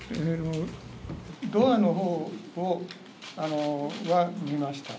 ドアのほうは見ました。